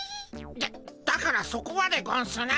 だっだからそこはでゴンスな。